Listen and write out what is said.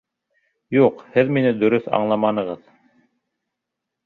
— Юҡ, һеҙ мине дөрөҫ аңламанығыҙ.